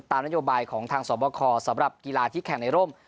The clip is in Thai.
นโยบายของทางสวบคสำหรับกีฬาที่แข่งในร่ม